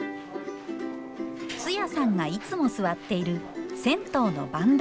ツヤさんがいつも座っている銭湯の番台。